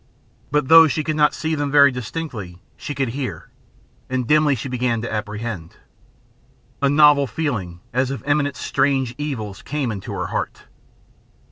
But though she could not see them very distinctly she could hear, and dimly she began to apprehend. A novel feeling as of imminent strange evils came into her heart.